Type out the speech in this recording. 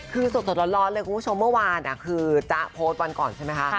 คือสดร้อนเลยคุณผู้ชมเมื่อวานคือจ๊ะโพสต์วันก่อนใช่ไหมคะ